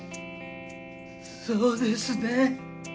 そうですね。